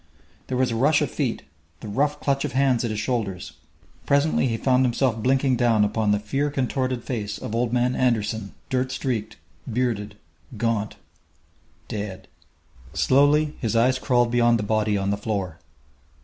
There was a rush of feet, the rough clutch of hands at his shoulders.... Presently he found himself blinking down upon the fear contorted face of Old Man Anderson dirt streaked, bearded, gaunt, dead! Slowly his eyes crawled beyond the body on the floor....